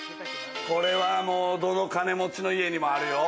これは、どの金持ちの家にもあるよ。